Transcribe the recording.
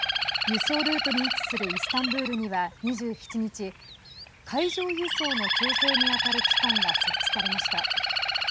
輸送ルートに位置するイスタンブールには２７日、海上輸送の調整に当たる機関が設置されました。